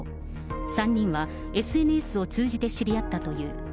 ３人はＳＮＳを通じて知り合ったという。